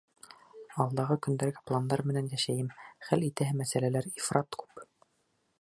Алдағы көндәргә пландар менән йәшәйем, хәл итәһе мәсьәләләр ифрат күп.